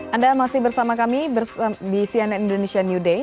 anda masih bersama kami di cnn indonesia new day